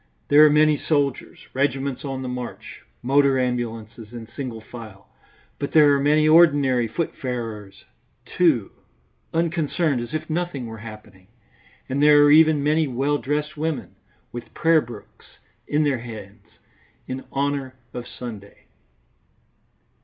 There are many soldiers, regiments on the march, motor ambulances in single file, but there are many ordinary footfarers, too, unconcerned as if nothing were happening, and there are even many well dressed women, with prayer books in their hands, in honour of Sunday.